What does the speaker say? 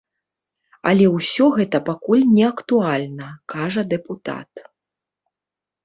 Але ўсё гэта пакуль не актуальна, кажа дэпутат.